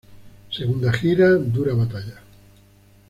Segunda gira, dura batalla.